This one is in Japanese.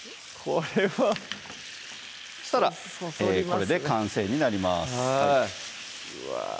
これはそしたらこれで完成になりますはいうわ